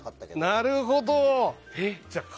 なるほど！